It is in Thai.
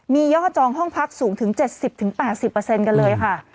มียอดจองห้องพักสูงถึง๗๐๘๐กันเลยค่ะ